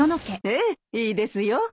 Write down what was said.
ええいいですよ。